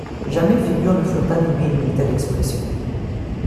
Jamais figures ne furent animées d'une telle expression.